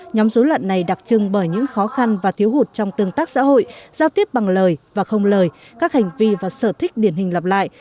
nhóm dối loạn này đặc trưng bởi những khó khăn và thiếu hụt trong tương tác xã hội giao tiếp bằng lời và không lời các hành vi và sở thích điển hình lặp lại